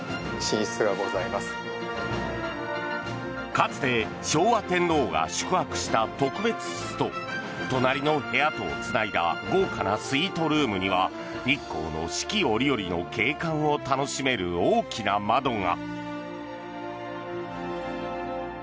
かつて昭和天皇が宿泊した特別室と隣の部屋とをつないだ豪華なスイートルームには日光の四季折々の景観を楽しめる大きな窓が。